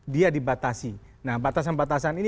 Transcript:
dia dibatasi nah batasan batasan ini